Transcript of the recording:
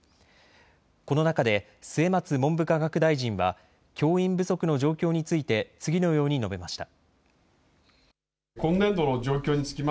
この中で末松文部科学大臣は教員不足の状況について次のように述べました。